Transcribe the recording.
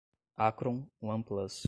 Acron, One Plus